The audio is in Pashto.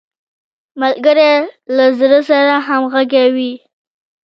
ملګری له زړه سره همږغی وي